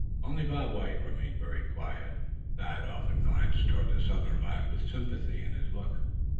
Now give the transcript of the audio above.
Only Bob White remained very quiet. Thad often glanced toward the Southern lad, with sympathy in his look.